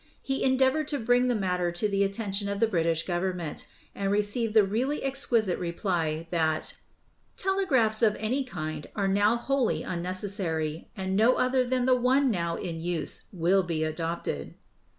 He endeavored to bring the matter to the attention of the British government, and received the really exquisite reply that "telegraphs of any kind are now wholly unnecessary, and no other than the one now in use will be adopted."